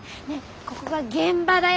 ここが現場だよ